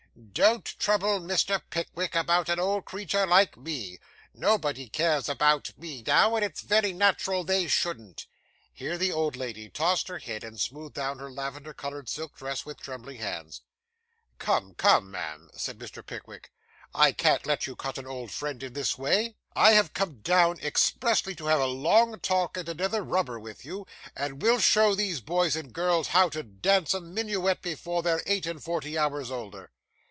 'Don't trouble Mr. Pickwick about an old creetur like me. Nobody cares about me now, and it's very nat'ral they shouldn't.' Here the old lady tossed her head, and smoothed down her lavender coloured silk dress with trembling hands. 'Come, come, ma'am,' said Mr. Pickwick, 'I can't let you cut an old friend in this way. I have come down expressly to have a long talk, and another rubber with you; and we'll show these boys and girls how to dance a minuet, before they're eight and forty hours older.